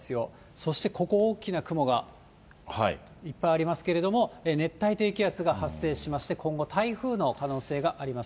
そしてここ、大きな雲がいっぱいありますけれども、熱帯低気圧が発生しまして、今後、台風の可能性があります。